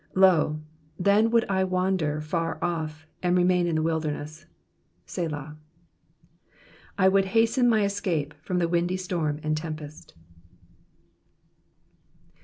7 Lo, then would I wander far off, and remain in the wilder ness. Selah. 8 I would hasten my escape from the windy storm and tempest.